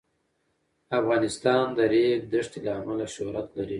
افغانستان د د ریګ دښتې له امله شهرت لري.